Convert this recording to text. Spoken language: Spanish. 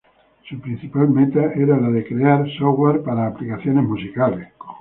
Su principal meta era la de crear aplicaciones musicales para softwares.